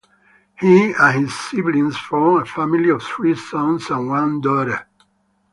He and his siblings formed a family of three sons and one daughter.